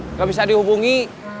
nggak bisa dihubungi